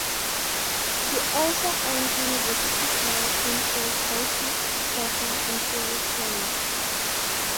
He also earned university colors in field hockey, soccer, and table tennis.